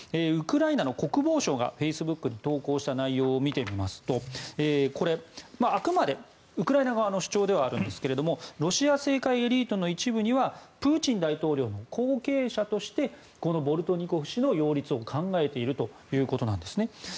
ウクライナの国防相がフェイスブックに投稿した内容を見てみますとこれ、あくまでウクライナ側の主張ではあるんですがロシア政界エリートの一部にはプーチン大統領の後継者としてこのボルトニコフ氏の擁立を考えているということなんですね。